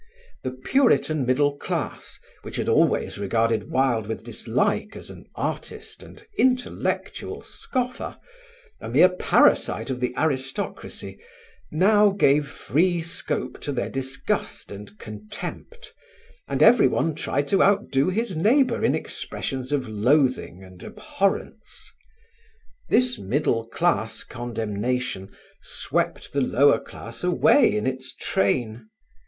The puritan middle class, which had always regarded Wilde with dislike as an artist and intellectual scoffer, a mere parasite of the aristocracy, now gave free scope to their disgust and contempt, and everyone tried to outdo his neighbour in expressions of loathing and abhorrence. This middle class condemnation swept the lower class away in its train.